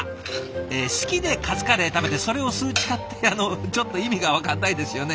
え好きでカツカレー食べてそれを数値化ってあのちょっと意味が分かんないですよね。